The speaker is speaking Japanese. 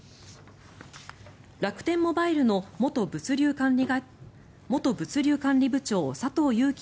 楽天モバイルの元物流管理部長佐藤友紀